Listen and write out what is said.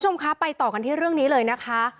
คุณผู้ชมคะไปต่อกันที่เรื่องนี้เลยนะคะ